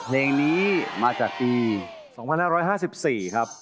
เพลงนี้มาจากปี๒๕๕๔ครับ